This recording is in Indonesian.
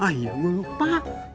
ah yang lupa